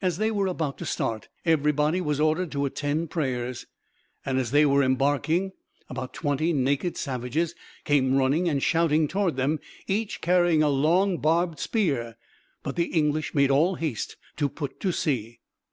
As they were about to start, everybody was ordered to attend prayers, and as they were embarking about twenty naked savages came running and shouting toward them, each carrying a long barbed spear, but the English made all haste to put to sea.